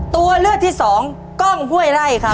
ตัวเลือกที่สองกล้องห้วยไร่ครับ